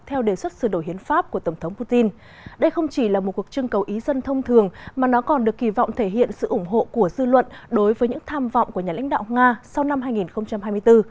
theo đề xuất sửa đổi hiến pháp của tổng thống putin đây không chỉ là một cuộc trưng cầu ý dân thông thường mà nó còn được kỳ vọng thể hiện sự ủng hộ của dư luận đối với những tham vọng của nhà lãnh đạo nga sau năm hai nghìn hai mươi bốn